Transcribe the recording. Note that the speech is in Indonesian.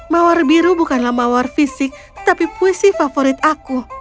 mawar biru bukanlah mawar fisik tapi puisi favorit aku